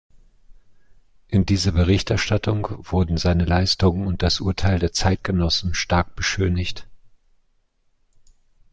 In dieser Berichterstattung wurden seine Leistungen und das Urteil der Zeitgenossen stark beschönigt.